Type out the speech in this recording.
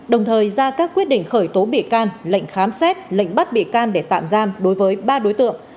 đồng thời ra các quyết định khởi tố bị can lệnh khám xét lệnh bắt bị can để tạm giam đối với ba đối tượng